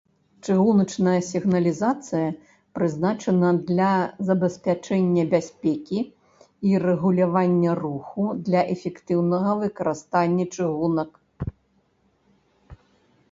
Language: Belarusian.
Чыгуначная сігналізацыя прызначана для забеспячэння бяспекі і рэгулявання руху для эфектыўнага выкарыстання чыгунак.